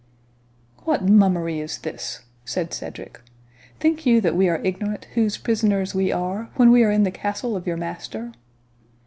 "What mummery is this?" said Cedric; "think you that we are ignorant whose prisoners we are, when we are in the castle of your master?